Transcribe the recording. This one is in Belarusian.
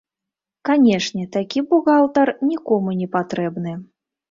Канешне, такі бухгалтар нікому не патрэбны.